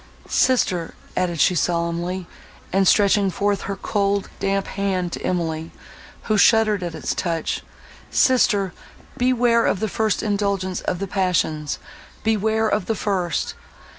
Sister!" added she solemnly, and stretching forth her cold, damp hand to Emily, who shuddered at its touch—"Sister! beware of the first indulgence of the passions; beware of the first!